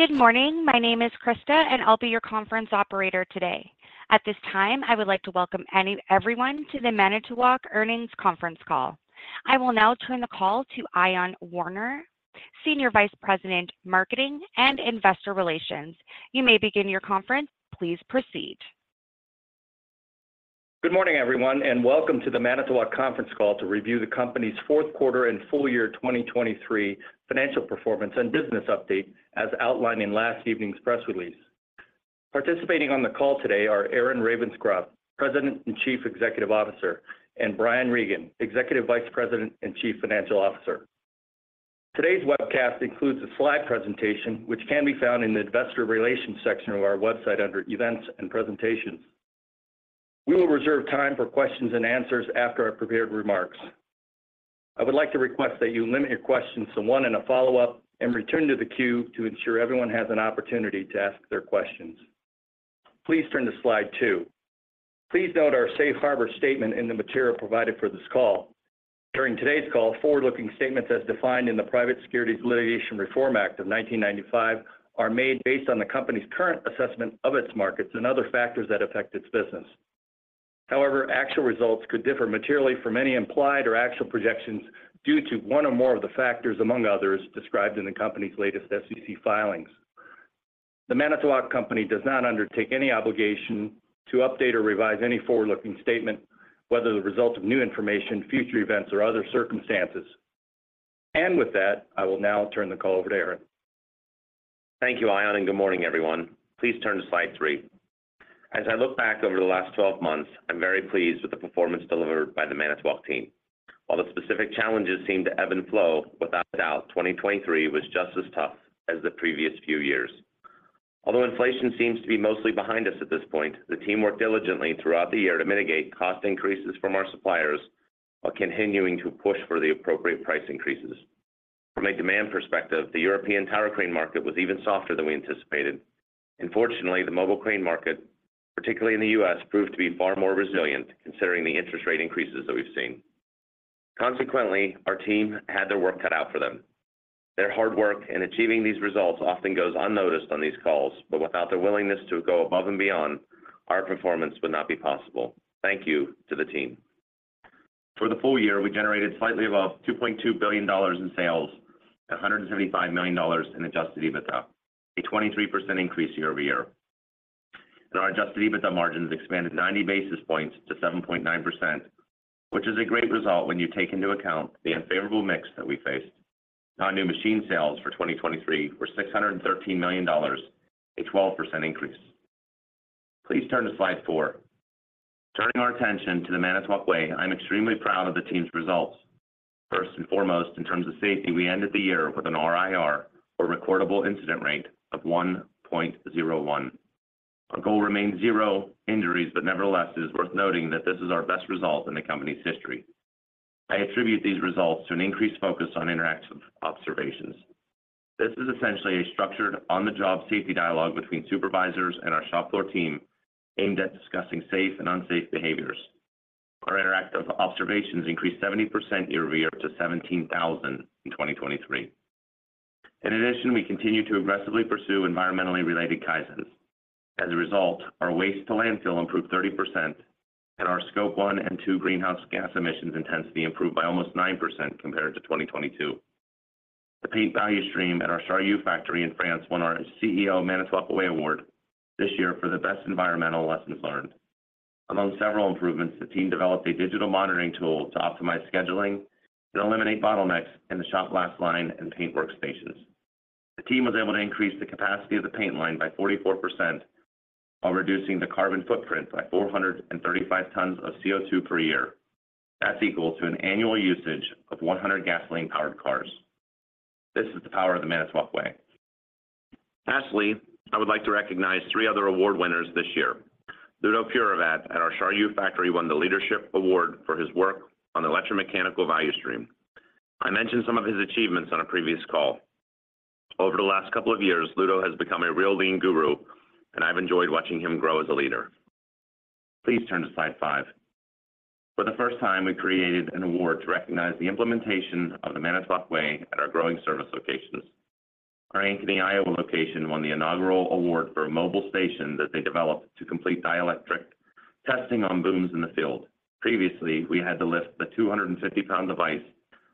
Good morning. My name is Krista, and I'll be your conference operator today. At this time, I would like to welcome everyone to the Manitowoc Earnings Conference Call. I will now turn the call to Ion Warner, Senior Vice President, Marketing and Investor Relations. You may begin your conference. Please proceed. Good morning, everyone, and welcome to the Manitowoc conference call to review the company's fourth quarter and full year 2023 financial performance and business update, as outlined in last evening's press release. Participating on the call today are Aaron Ravenscroft, President and Chief Executive Officer, and Brian Regan, Executive Vice President and Chief Financial Officer. Today's webcast includes a slide presentation, which can be found in the Investor Relations section of our website under Events and Presentations. We will reserve time for questions and answers after our prepared remarks. I would like to request that you limit your questions to one and a follow-up and return to the queue to ensure everyone has an opportunity to ask their questions. Please turn to slide two. Please note our safe harbor statement in the material provided for this call. During today's call, forward-looking statements as defined in the Private Securities Litigation Reform Act of 1995 are made based on the company's current assessment of its markets and other factors that affect its business. However, actual results could differ materially from any implied or actual projections due to one or more of the factors, among others, described in the company's latest SEC filings. The Manitowoc Company does not undertake any obligation to update or revise any forward-looking statement, whether the result of new information, future events, or other circumstances. With that, I will now turn the call over to Aaron. Thank you, Ion, and good morning, everyone. Please turn to slide three. As I look back over the last 12 months, I'm very pleased with the performance delivered by the Manitowoc team. While the specific challenges seem to ebb and flow, without a doubt, 2023 was just as tough as the previous few years. Although inflation seems to be mostly behind us at this point, the team worked diligently throughout the year to mitigate cost increases from our suppliers while continuing to push for the appropriate price increases. From a demand perspective, the European tower crane market was even softer than we anticipated. And fortunately, the mobile crane market, particularly in the U.S., proved to be far more resilient, considering the interest rate increases that we've seen. Consequently, our team had their work cut out for them. Their hard work in achieving these results often goes unnoticed on these calls, but without their willingness to go above and beyond, our performance would not be possible. Thank you to the team. For the full year, we generated slightly above $2.2 billion in sales and $175 million in adjusted EBITDA, a 23% increase year-over-year. Our adjusted EBITDA margins expanded 90 basis points to 7.9%, which is a great result when you take into account the unfavorable mix that we faced. Our new machine sales for 2023 were $613 million, a 12% increase. Please turn to slide four. Turning our attention to the Manitowoc Way, I'm extremely proud of the team's results. First and foremost, in terms of safety, we ended the year with an RIR, or recordable incident rate, of 1.01. Our goal remains zero injuries, but nevertheless, it is worth noting that this is our best result in the company's history. I attribute these results to an increased focus on interactive observations. This is essentially a structured on-the-job safety dialogue between supervisors and our shop floor team, aimed at discussing safe and unsafe behaviors. Our interactive observations increased 70% year-over-year to 17,000 in 2023. In addition, we continue to aggressively pursue environmentally related Kaizens. As a result, our waste to landfill improved 30%, and our Scope 1 and 2 greenhouse gas emissions intensity improved by almost 9% compared to 2022. The paint value stream at our Charlieu factory in France won our CEO Manitowoc Way Award this year for the best environmental lessons learned. Among several improvements, the team developed a digital monitoring tool to optimize scheduling and eliminate bottlenecks in the shop glass line and paint workspaces. The team was able to increase the capacity of the paint line by 44% while reducing the carbon footprint by 435 tons of CO2 per year. That's equal to an annual usage of 100 gasoline-powered cars. This is the power of the Manitowoc Way. Lastly, I would like to recognize three other award winners this year. Ludo Paravat at our Charlieu factory won the Leadership Award for his work on the electromechanical value stream. I mentioned some of his achievements on a previous call. Over the last couple of years, Ludo has become a real lean guru, and I've enjoyed watching him grow as a leader. Please turn to slide five. For the first time, we created an award to recognize the implementation of the Manitowoc Way at our growing service locations. Our Ankeny, Iowa, location won the inaugural award for a mobile station that they developed to complete dielectric testing on booms in the field. Previously, we had to lift the 250-pound device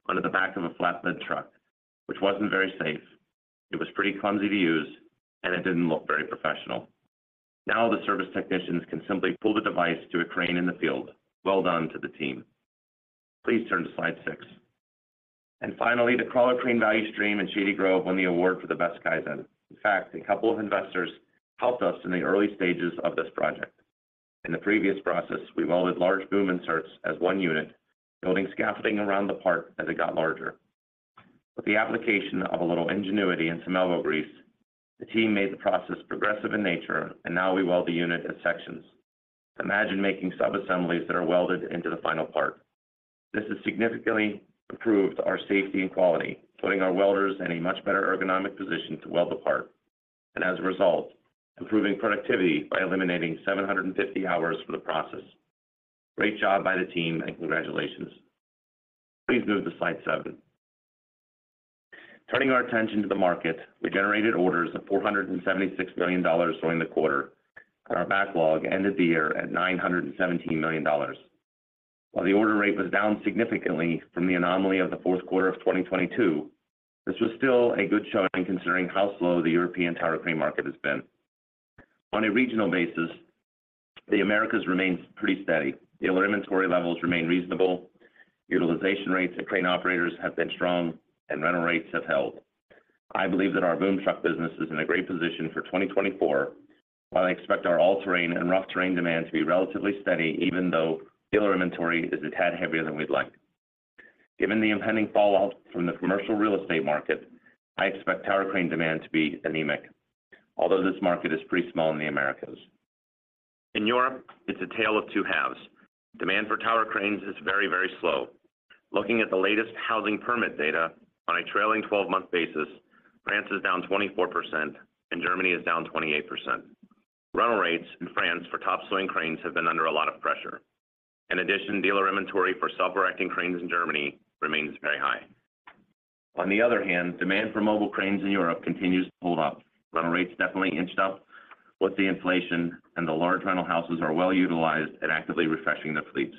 onto the back of a flatbed truck, which wasn't very safe. It was pretty clumsy to use, and it didn't look very professional. Now, the service technicians can simply pull the device to a crane in the field. Well done to the team. Please turn to slide six. Finally, the Crawler Crane value stream in Shady Grove won the award for the best Kaizen. In fact, a couple of investors helped us in the early stages of this project. In the previous process, we welded large boom inserts as one unit, building scaffolding around the part as it got larger. With the application of a little ingenuity and some elbow grease, the team made the process progressive in nature, and now we weld the unit as sections. Imagine making subassemblies that are welded into the final part. This has significantly improved our safety and quality, putting our welders in a much better ergonomic position to weld the part, and as a result, improving productivity by eliminating 750 hours for the process. Great job by the team, and congratulations. Please move to slide seven. Turning our attention to the market, we generated orders of $476 million during the quarter, and our backlog ended the year at $917 million. While the order rate was down significantly from the anomaly of the fourth quarter of 2022, this was still a good showing considering how slow the European tower crane market has been. On a regional basis, the Americas remains pretty steady. Dealer inventory levels remain reasonable, utilization rates of crane operators have been strong, and rental rates have held. I believe that our boom truck business is in a great position for 2024, while I expect our all-terrain and rough terrain demand to be relatively steady, even though dealer inventory is a tad heavier than we'd like. Given the impending fallout from the commercial real estate market, I expect tower crane demand to be anemic, although this market is pretty small in the Americas. In Europe, it's a tale of two halves. Demand for tower cranes is very, very slow. Looking at the latest housing permit data on a trailing 12-month basis, France is down 24%, and Germany is down 28%. Rental rates in France for top swing cranes have been under a lot of pressure. In addition, dealer inventory for self-erecting cranes in Germany remains very high. On the other hand, demand for mobile cranes in Europe continues to hold up. Rental rates definitely inched up with the inflation, and the large rental houses are well utilized and actively refreshing their fleets.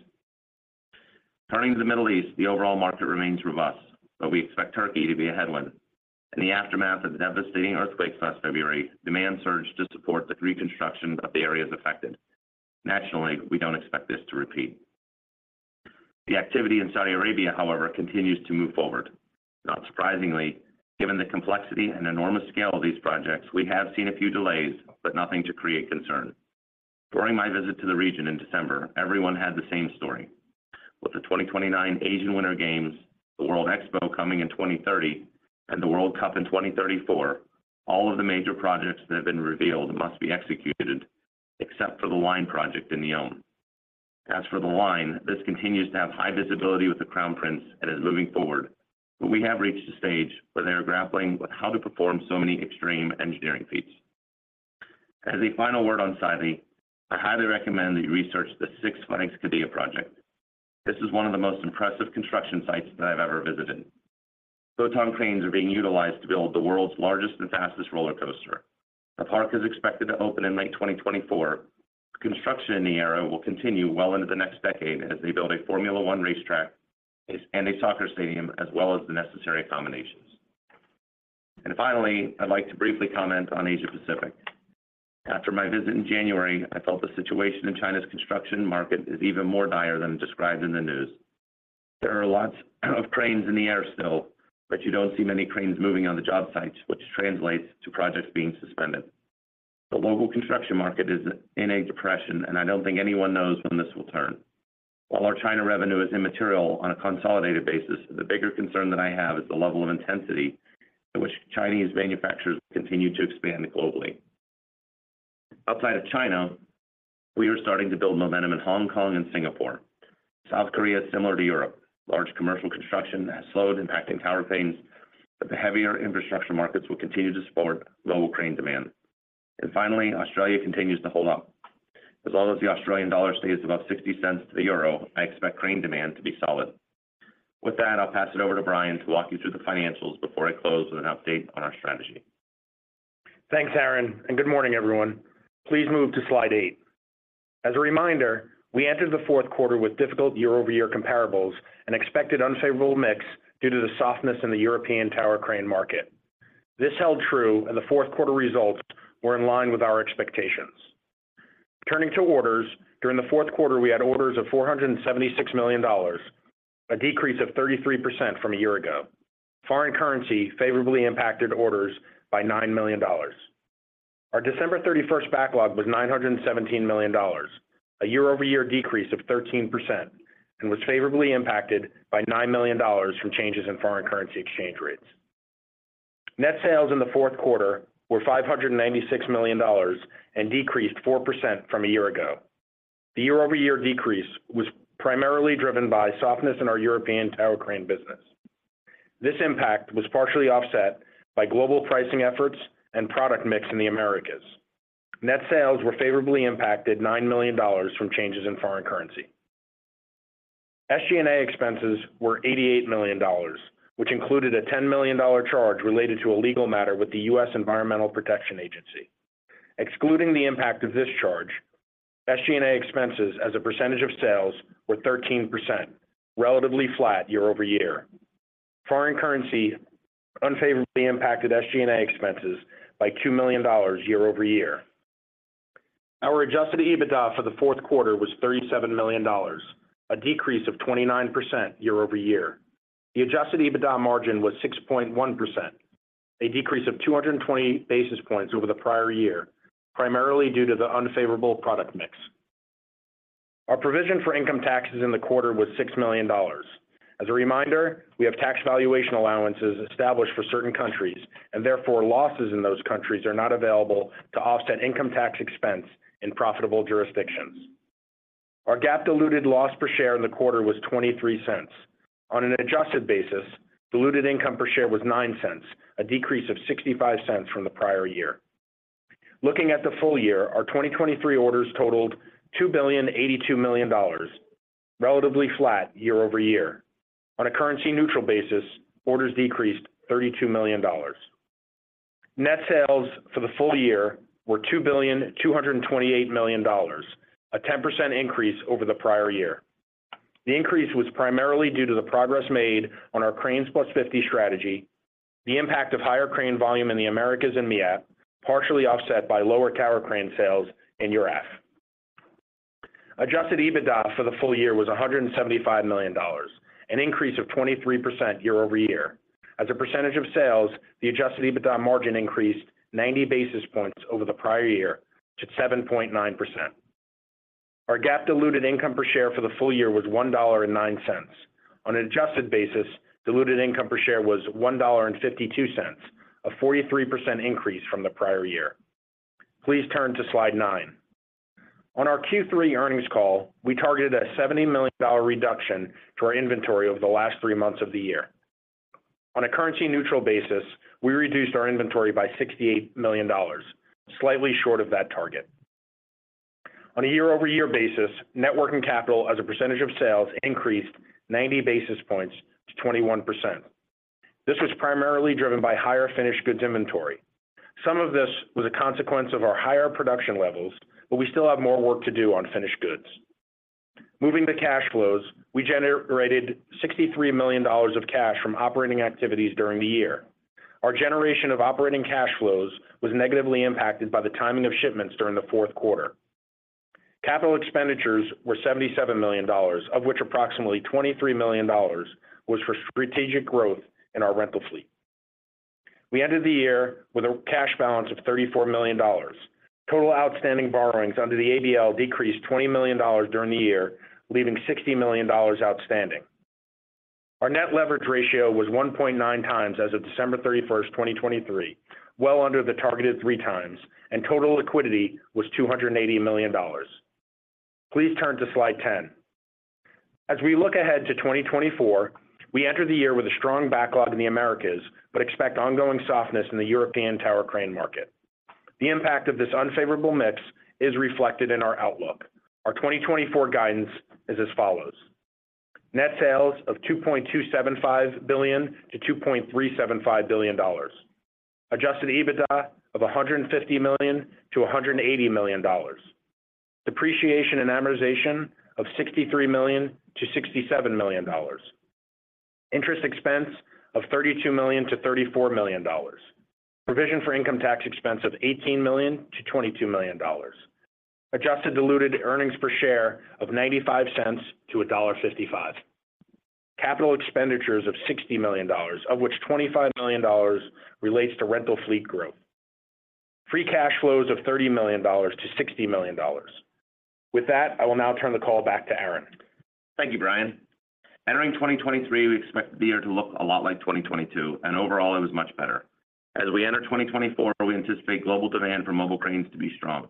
Turning to the Middle East, the overall market remains robust, but we expect Turkey to be a headwind. In the aftermath of the devastating earthquakes last February, demand surged to support the reconstruction of the areas affected. Nationally, we don't expect this to repeat. The activity in Saudi Arabia, however, continues to move forward. Not surprisingly, given the complexity and enormous scale of these projects, we have seen a few delays, but nothing to create concern. During my visit to the region in December, everyone had the same story. With the 2029 Asian Winter Games, the World Expo coming in 2030, and the World Cup in 2034, all of the major projects that have been revealed must be executed, except for The Line project in NEOM. As for The Line, this continues to have high visibility with the Crown Prince and is moving forward, but we have reached a stage where they are grappling with how to perform so many extreme engineering feats. As a final word on Saudi, I highly recommend that you research the Six Flags Qiddiya project. This is one of the most impressive construction sites that I've ever visited. Both tower cranes are being utilized to build the world's largest and fastest roller coaster. The park is expected to open in late 2024. Construction in the area will continue well into the next decade as they build a Formula One racetrack and a soccer stadium, as well as the necessary accommodations. And finally, I'd like to briefly comment on Asia Pacific. After my visit in January, I felt the situation in China's construction market is even more dire than described in the news. There are lots of cranes in the air still, but you don't see many cranes moving on the job sites, which translates to projects being suspended. The local construction market is in a depression, and I don't think anyone knows when this will turn. While our China revenue is immaterial on a consolidated basis, the bigger concern that I have is the level of intensity at which Chinese manufacturers continue to expand globally. Outside of China, we are starting to build momentum in Hong Kong and Singapore. South Korea is similar to Europe. Large commercial construction has slowed, impacting tower cranes, but the heavier infrastructure markets will continue to support global crane demand. And finally, Australia continues to hold up. As long as the Australian dollar stays above 60 cents to the euro, I expect crane demand to be solid. With that, I'll pass it over to Brian to walk you through the financials before I close with an update on our strategy. Thanks, Aaron, and good morning, everyone. Please move to slide eight. As a reminder, we entered the fourth quarter with difficult year-over-year comparables and expected unfavorable mix due to the softness in the European tower crane market. This held true, and the fourth quarter results were in line with our expectations. Turning to orders, during the fourth quarter, we had orders of $476 million, a decrease of 33% from a year ago. Foreign currency favorably impacted orders by $9 million. Our December 31st backlog was $917 million, a year-over-year decrease of 13%, and was favorably impacted by $9 million from changes in foreign currency exchange rates. Net sales in the fourth quarter were $596 million and decreased 4% from a year ago. The year-over-year decrease was primarily driven by softness in our European tower crane business. This impact was partially offset by global pricing efforts and product mix in the Americas. Net sales were favorably impacted $9 million from changes in foreign currency. SG&A expenses were $88 million, which included a $10 million charge related to a legal matter with the U.S. Environmental Protection Agency. Excluding the impact of this charge, SG&A expenses as a percentage of sales were 13%, relatively flat year over year. Foreign currency unfavorably impacted SG&A expenses by $2 million year over year. Our adjusted EBITDA for the fourth quarter was $37 million, a decrease of 29% year over year. The adjusted EBITDA margin was 6.1%, a decrease of 220 basis points over the prior year, primarily due to the unfavorable product mix. Our provision for income taxes in the quarter was $6 million. As a reminder, we have tax valuation allowances established for certain countries, and therefore losses in those countries are not available to offset income tax expense in profitable jurisdictions. Our GAAP diluted loss per share in the quarter was $0.23. On an adjusted basis, diluted income per share was $0.09, a decrease of $0.65 from the prior year.... Looking at the full year, our 2023 orders totaled $2.082 billion, relatively flat year-over-year. On a currency neutral basis, orders decreased $32 million. Net sales for the full year were $2.228 billion, a 10% increase over the prior year. The increase was primarily due to the progress made on our Cranes Plus Fifty strategy, the impact of higher crane volume in the Americas and MEAP, partially offset by lower tower crane sales in EURAF. Adjusted EBITDA for the full year was $175 million, an increase of 23% year-over-year. As a percentage of sales, the adjusted EBITDA margin increased 90 basis points over the prior year to 7.9%. Our GAAP diluted income per share for the full year was $1.09. On an adjusted basis, diluted income per share was $1.52, a 43% increase from the prior year. Please turn to slide nine. On our Q3 earnings call, we targeted a $70 million reduction to our inventory over the last three months of the year. On a currency neutral basis, we reduced our inventory by $68 million, slightly short of that target. On a year-over-year basis, net working capital as a percentage of sales increased 90 basis points to 21%. This was primarily driven by higher finished goods inventory. Some of this was a consequence of our higher production levels, but we still have more work to do on finished goods. Moving to cash flows, we generated $63 million of cash from operating activities during the year. Our generation of operating cash flows was negatively impacted by the timing of shipments during the fourth quarter. Capital expenditures were $77 million, of which approximately $23 million was for strategic growth in our rental fleet. We ended the year with a cash balance of $34 million. Total outstanding borrowings under the ABL decreased $20 million during the year, leaving $60 million outstanding. Our net leverage ratio was 1.9x as of December 31st, 2023, well under the targeted 3x, and total liquidity was $280 million. Please turn to slide 10. As we look ahead to 2024, we enter the year with a strong backlog in the Americas, but expect ongoing softness in the European tower crane market. The impact of this unfavorable mix is reflected in our outlook. Our 2024 guidance is as follows: Net sales of $2.275 billion-$2.375 billion. Adjusted EBITDA of $150 million-$180 million. Depreciation and amortization of $63 million-$67 million. Interest expense of $32 million-$34 million. Provision for income tax expense of $18 million-$22 million. Adjusted diluted earnings per share of $0.95-$1.55. Capital expenditures of $60 million, of which $25 million relates to rental fleet growth. Free cash flows of $30 million-$60 million. With that, I will now turn the call back to Aaron. Thank you, Brian. Entering 2023, we expected the year to look a lot like 2022, and overall it was much better. As we enter 2024, we anticipate global demand for mobile cranes to be strong.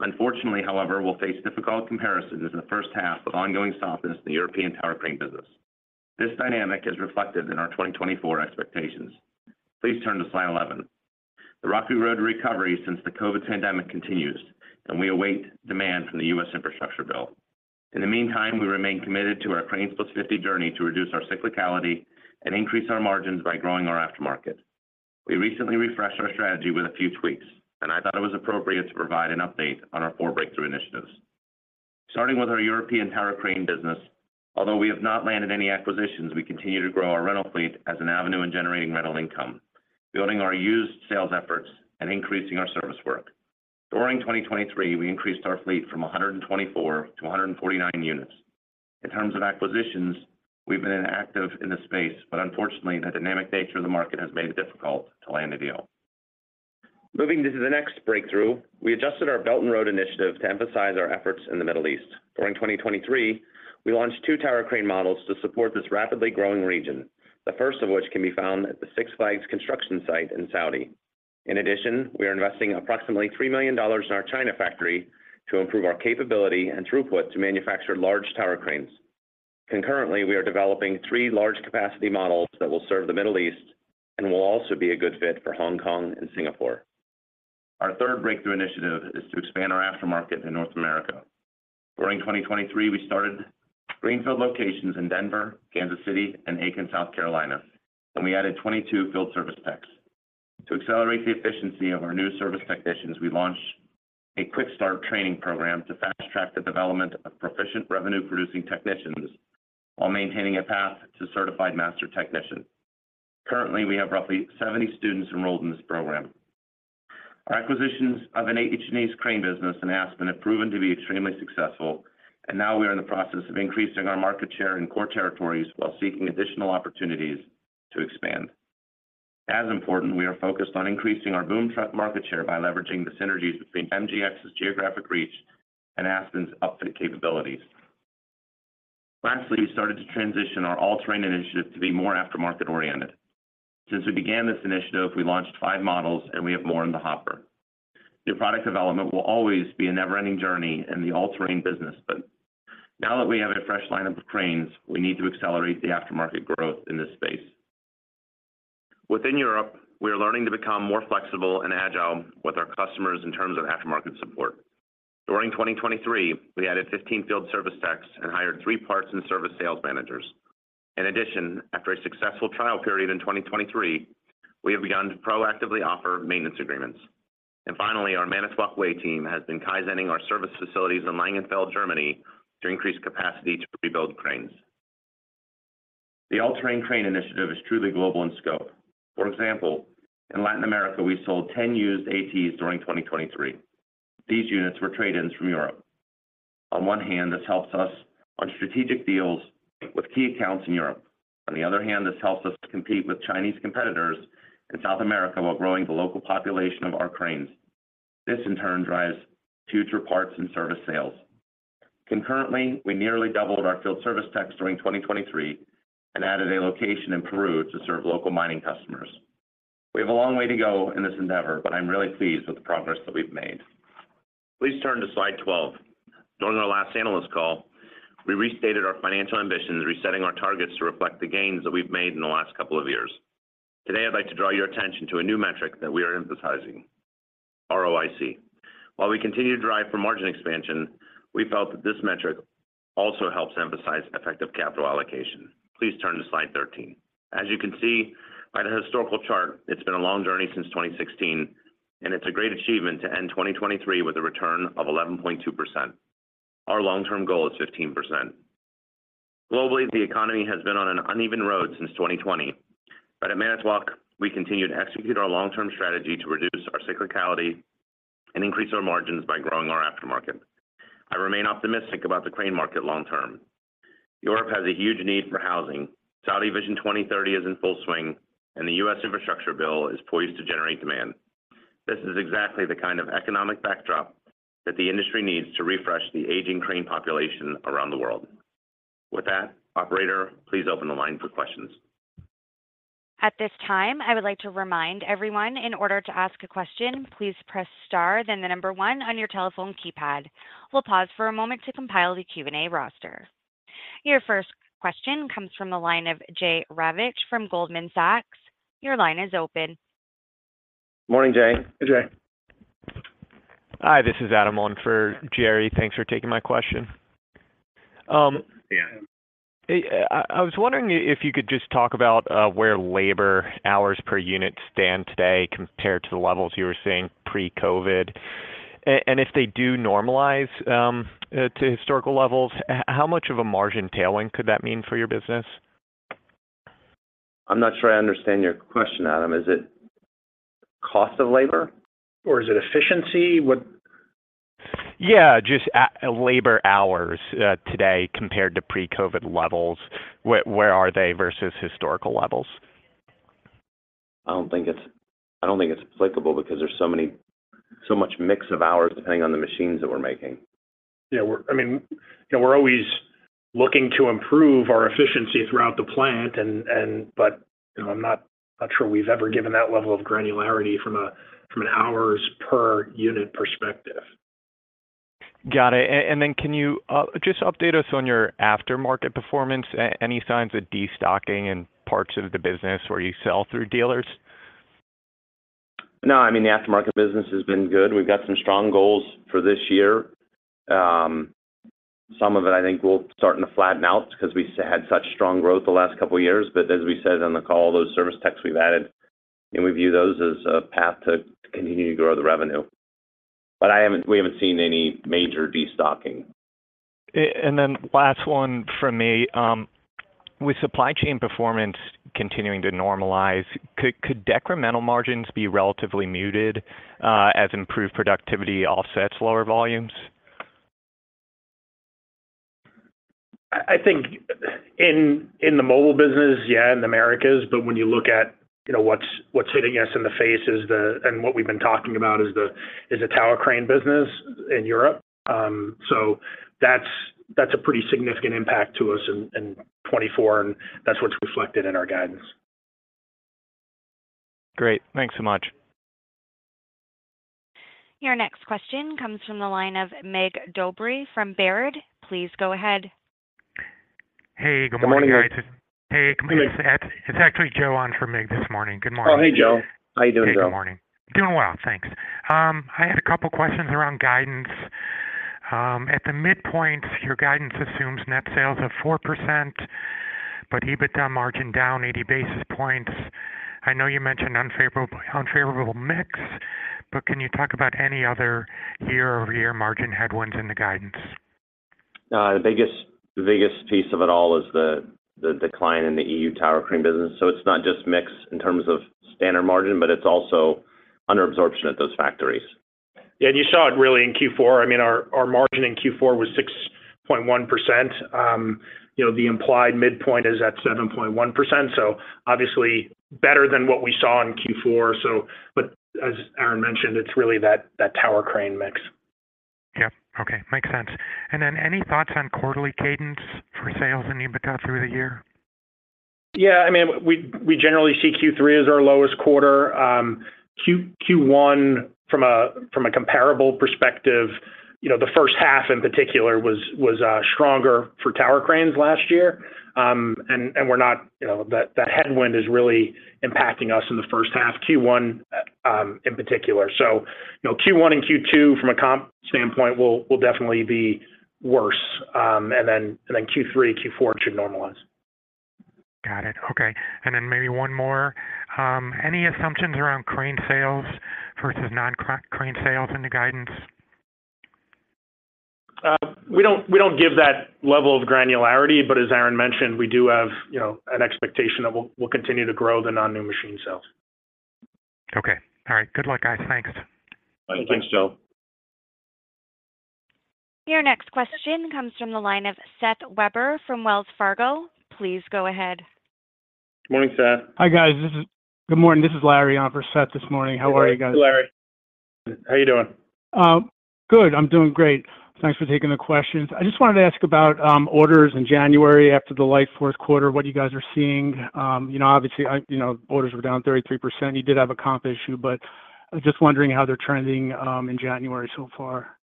Unfortunately, however, we'll face difficult comparisons in the first half of ongoing softness in the European tower crane business. This dynamic is reflected in our 2024 expectations. Please turn to slide 11. The rocky road to recovery since the COVID pandemic continues, and we await demand from the U.S. infrastructure bill. In the meantime, we remain committed to our Cranes Plus Fifty journey to reduce our cyclicality and increase our margins by growing our aftermarket. We recently refreshed our strategy with a few tweaks, and I thought it was appropriate to provide an update on our four breakthrough initiatives. Starting with our European tower crane business, although we have not landed any acquisitions, we continue to grow our rental fleet as an avenue in generating rental income, building our used sales efforts and increasing our service work. During 2023, we increased our fleet from 124 to 149 units. In terms of acquisitions, we've been active in the space, but unfortunately, the dynamic nature of the market has made it difficult to land a deal. Moving to the next breakthrough, we adjusted our Belt and Road initiative to emphasize our efforts in the Middle East. During 2023, we launched two tower crane models to support this rapidly growing region, the first of which can be found at the Six Flags construction site in Saudi. In addition, we are investing approximately $3 million in our China factory to improve our capability and throughput to manufacture large tower cranes. Concurrently, we are developing three large capacity models that will serve the Middle East and will also be a good fit for Hong Kong and Singapore. Our third breakthrough initiative is to expand our aftermarket in North America. During 2023, we started greenfield locations in Denver, Kansas City, and Aiken, South Carolina, and we added 22 field service techs. To accelerate the efficiency of our new service technicians, we launched a quick start training program to fast-track the development of proficient revenue-producing technicians while maintaining a path to certified master technician. Currently, we have roughly 70 students enrolled in this program. Our acquisitions of an H&E crane business in Aspen have proven to be extremely successful, and now we are in the process of increasing our market share in core territories while seeking additional opportunities to expand. As important, we are focused on increasing our boom truck market share by leveraging the synergies between MGX's geographic reach and Aspen's upfit capabilities. Lastly, we started to transition our all-terrain initiative to be more aftermarket-oriented. Since we began this initiative, we launched five models, and we have more in the hopper. New product development will always be a never-ending journey in the all-terrain business, but now that we have a fresh lineup of cranes, we need to accelerate the aftermarket growth in this space.... Within Europe, we are learning to become more flexible and agile with our customers in terms of aftermarket support. During 2023, we added 15 field service techs and hired three parts and service sales managers. In addition, after a successful trial period in 2023, we have begun to proactively offer maintenance agreements. And finally, our Manitowoc Way team has been Kaizening our service facilities in Langenfeld, Germany, to increase capacity to rebuild cranes. The all-terrain crane initiative is truly global in scope. For example, in Latin America, we sold 10 used ATs during 2023. These units were trade-ins from Europe. On one hand, this helps us on strategic deals with key accounts in Europe. On the other hand, this helps us to compete with Chinese competitors in South America, while growing the local population of our cranes. This, in turn, drives future parts and service sales. Concurrently, we nearly doubled our field service techs during 2023 and added a location in Peru to serve local mining customers. We have a long way to go in this endeavor, but I'm really pleased with the progress that we've made. Please turn to slide 12. During our last analyst call, we restated our financial ambitions, resetting our targets to reflect the gains that we've made in the last couple of years. Today, I'd like to draw your attention to a new metric that we are emphasizing, ROIC. While we continue to drive for margin expansion, we felt that this metric also helps emphasize effective capital allocation. Please turn to slide 13. As you can see by the historical chart, it's been a long journey since 2016, and it's a great achievement to end 2023 with a return of 11.2%. Our long-term goal is 15%. Globally, the economy has been on an uneven road since 2020, but at Manitowoc, we continue to execute our long-term strategy to reduce our cyclicality and increase our margins by growing our aftermarket. I remain optimistic about the crane market long term. Europe has a huge need for housing. Saudi Vision 2030 is in full swing, and the U.S. Infrastructure Bill is poised to generate demand. This is exactly the kind of economic backdrop that the industry needs to refresh the aging crane population around the world. With that, operator, please open the line for questions. At this time, I would like to remind everyone, in order to ask a question, please press star, then the number one on your telephone keypad. We'll pause for a moment to compile the Q&A roster. Your first question comes from the line of Jerry Revich from Goldman Sachs. Your line is open. Morning, Jerry. Hey, Jerry. Hi, this is Adam on for Jerry. Thanks for taking my question. Yeah. I was wondering if you could just talk about where labor hours per unit stand today compared to the levels you were seeing pre-COVID. And if they do normalize to historical levels, how much of a margin tailwind could that mean for your business? I'm not sure I understand your question, Adam. Is it cost of labor? Or is it efficiency? What- Yeah, just labor hours today, compared to pre-COVID levels, where are they versus historical levels? I don't think it's applicable because there's so much mix of hours, depending on the machines that we're making. Yeah, we're... I mean, you know, we're always looking to improve our efficiency throughout the plant and but, you know, I'm not sure we've ever given that level of granularity from an hours per unit perspective. Got it. And then can you just update us on your aftermarket performance? Any signs of destocking in parts of the business where you sell through dealers? No, I mean, the aftermarket business has been good. We've got some strong goals for this year. Some of it, I think, will starting to flatten out because we had such strong growth the last couple of years. But as we said on the call, those service techs we've added, and we view those as a path to continue to grow the revenue. But I haven't, we haven't seen any major destocking. And then last one from me. With supply chain performance continuing to normalize, could decremental margins be relatively muted, as improved productivity offsets lower volumes? I think in the mobile business, yeah, in the Americas, but when you look at, you know, what's hitting us in the face is the... And what we've been talking about is the tower crane business in Europe. So that's a pretty significant impact to us in 2024, and that's what's reflected in our guidance. Great. Thanks so much. Your next question comes from the line of Mig Dobre from Baird. Please go ahead. Hey, good morning, guys. Good morning. Hey, it's actually Joe on for Mig this morning. Good morning. Oh, hey, Joe. How you doing, Joe? Hey, good morning. Doing well, thanks. I had a couple of questions around guidance. At the midpoint, your guidance assumes net sales of 4%, but EBITDA margin down 80 basis points. I know you mentioned unfavorable, unfavorable mix, but can you talk about any other year-over-year margin headwinds in the guidance? The biggest, biggest piece of it all is the decline in the EU tower crane business. So it's not just mix in terms of standard margin, but it's also under absorption at those factories. Yeah, and you saw it really in Q4. I mean, our, our margin in Q4 was 6.1%. You know, the implied midpoint is at 7.1%, so obviously better than what we saw in Q4. So but as Aaron mentioned, it's really that, that tower crane mix. Yeah. Okay, makes sense. And then any thoughts on quarterly cadence for sales and EBITDA through the year? Yeah, I mean, we generally see Q3 as our lowest quarter. Q1, from a comparable perspective. You know, the first half in particular was stronger for tower cranes last year. And we're not, you know, that headwind is really impacting us in the first half, Q1, in particular. So, you know, Q1 and Q2 from a comp standpoint will definitely be worse. And then Q3, Q4 should normalize. Got it. Okay. And then maybe one more. Any assumptions around crane sales versus non-crane sales in the guidance? We don't give that level of granularity, but as Aaron mentioned, we do have, you know, an expectation that we'll continue to grow the non-new machine sales. Okay. All right. Good luck, guys. Thanks. Thanks, Joe. Your next question comes from the line of Seth Weber from Wells Fargo. Please go ahead. Good morning, Seth. Hi, guys. Good morning, this is Larry on for Seth this morning. How are you guys? Hey, Larry. How are you doing? Good. I'm doing great. Thanks for taking the questions. I just wanted to ask about orders in January after the light fourth quarter, what you guys are seeing. You know, obviously, I, you know, orders were down 33%. You did have a comp issue, but I'm just wondering how they're trending in January so far.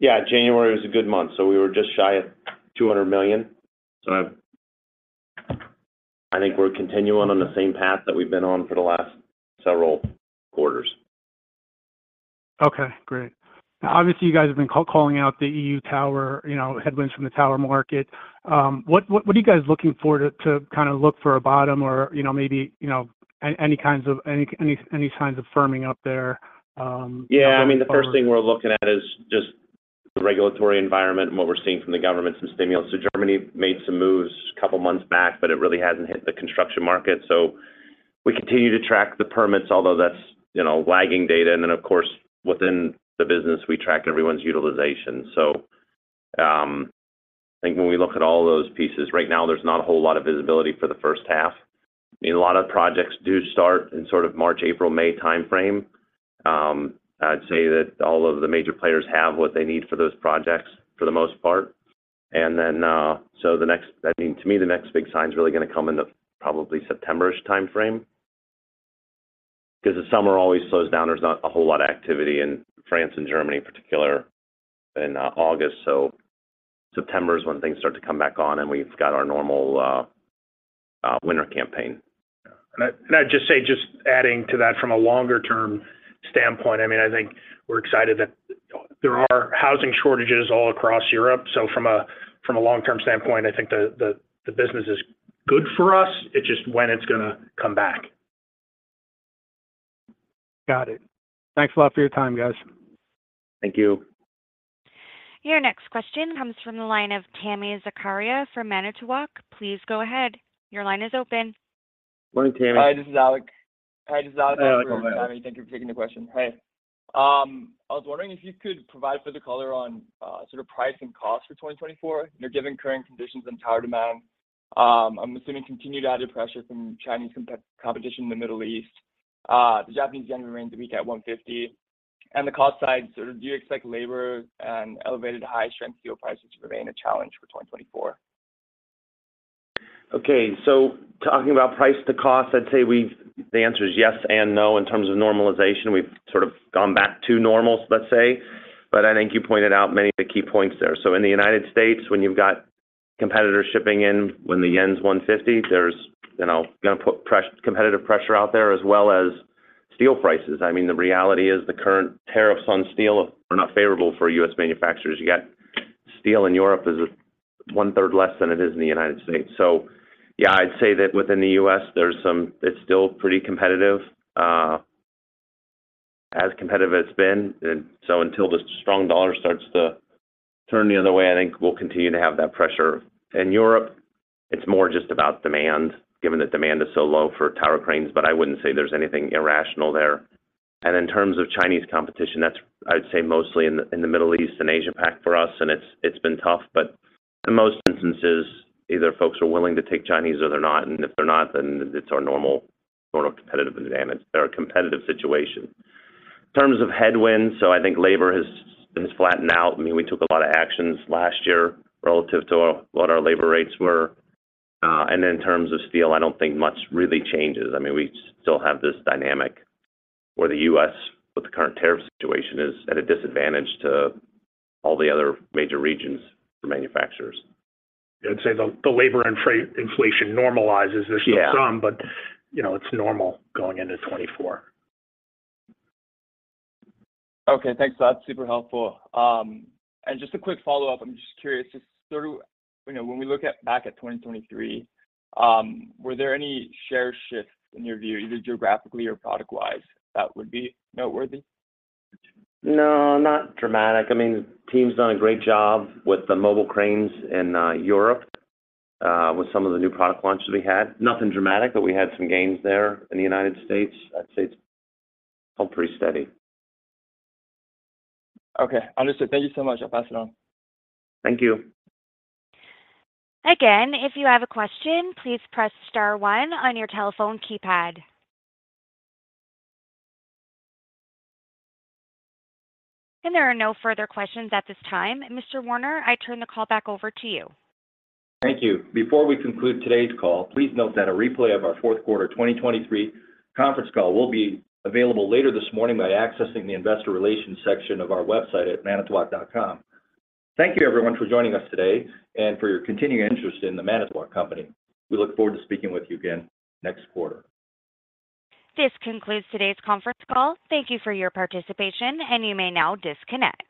Yeah, January was a good month, so we were just shy of $200 million. So I think we're continuing on the same path that we've been on for the last several quarters. Okay, great. Obviously, you guys have been calling out the EU tower, you know, headwinds from the tower market. What are you guys looking for to kind of look for a bottom or, you know, maybe any kinds of signs of firming up there, or- Yeah, I mean, the first thing we're looking at is just the regulatory environment and what we're seeing from the government, some stimulus. So Germany made some moves a couple of months back, but it really hasn't hit the construction market. So we continue to track the permits, although that's, you know, lagging data. And then, of course, within the business, we track everyone's utilization. So, I think when we look at all those pieces, right now, there's not a whole lot of visibility for the first half. I mean, a lot of projects do start in sort of March, April, May timeframe. I'd say that all of the major players have what they need for those projects for the most part. And then, so the next... I mean, to me, the next big sign is really going to come in the probably September-ish timeframe because the summer always slows down. There's not a whole lot of activity in France and Germany, in particular, in August. So September is when things start to come back on, and we've got our normal winter campaign. And I'd just say, just adding to that from a longer-term standpoint, I mean, I think we're excited that there are housing shortages all across Europe. So from a long-term standpoint, I think the business is good for us. It's just when it's going to come back. Got it. Thanks a lot for your time, guys. Thank you. Your next question comes from the line of Tami Zakaria from Manitowoc. Please go ahead. Your line is open. Morning, Tami. Hi, this is Alec. Hi, Alec. How are you? Thank you for taking the question. Hey, I was wondering if you could provide further color on, sort of price and cost for 2024, you know, given current conditions and tower demand. I'm assuming continued added pressure from Chinese competition in the Middle East. The Japanese yen remains weak at 150. On the cost side, so do you expect labor and elevated high-strength steel prices to remain a challenge for 2024? Okay. So talking about price to cost, I'd say we've—the answer is yes and no in terms of normalization. We've sort of gone back to normal, let's say, but I think you pointed out many of the key points there. So in the United States, when you've got competitors shipping in, when the yen's 150, there's, you know, gonna put competitive pressure out there as well as steel prices. I mean, the reality is the current tariffs on steel are not favorable for U.S. manufacturers. You got steel in Europe is one third less than it is in the United States. So yeah, I'd say that within the U.S., there's some. It's still pretty competitive, as competitive as it's been. And so until the strong dollar starts to turn the other way, I think we'll continue to have that pressure. In Europe, it's more just about demand, given that demand is so low for tower cranes, but I wouldn't say there's anything irrational there. And in terms of Chinese competition, that's, I'd say, mostly in the, in the Middle East and Asia-Pac for us, and it's, it's been tough, but in most instances, either folks are willing to take Chinese or they're not, and if they're not, then it's our normal sort of competitive advantage or competitive situation. In terms of headwinds, so I think labor has, has flattened out. I mean, we took a lot of actions last year relative to what our labor rates were. And in terms of steel, I don't think much really changes. I mean, we still have this dynamic where the U.S., with the current tariff situation, is at a disadvantage to all the other major regions for manufacturers. I'd say the labor and trade inflation normalizes. Yeah. There's still some, but, you know, it's normal going into 2024. Okay, thanks. That's super helpful. And just a quick follow-up, I'm just curious, just sort of, you know, when we look at, back at 2023, were there any share shifts in your view, either geographically or product-wise, that would be noteworthy? No, not dramatic. I mean, the team's done a great job with the mobile cranes in Europe, with some of the new product launches we had. Nothing dramatic, but we had some gains there in the United States. I'd say it's held pretty steady. Okay, understood. Thank you so much. I'll pass it on. Thank you. Again, if you have a question, please press star one on your telephone keypad. There are no further questions at this time. Mr. Warner, I turn the call back over to you. Thank you. Before we conclude today's call, please note that a replay of our fourth quarter 2023 conference call will be available later this morning by accessing the Investor Relations section of our website at manitowoc.com. Thank you, everyone, for joining us today and for your continued interest in the Manitowoc Company. We look forward to speaking with you again next quarter. This concludes today's conference call. Thank you for your participation, and you may now disconnect.